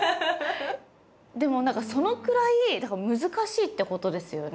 でもそのくらい難しいってことですよね